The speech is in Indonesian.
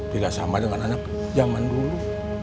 tidak sama dengan anak zaman dulu